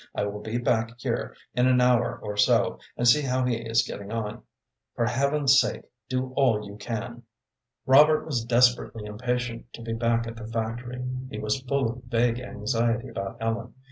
"I will be back here in an hour or so, and see how he is getting on. For Heaven's sake, do all you can!" Robert was desperately impatient to be back at the factory. He was full of vague anxiety about Ellen.